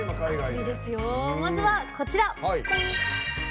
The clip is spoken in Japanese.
まずは、こちら。